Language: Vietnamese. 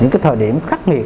những cái thời điểm khắc nghiệt